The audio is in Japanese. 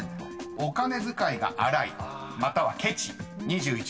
［お金遣いが荒いまたはケチ２１％］